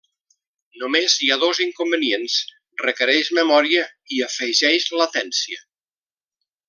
Només hi ha dos inconvenients: requereix memòria i afegeix latència.